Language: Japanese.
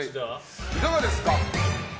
いかがですか？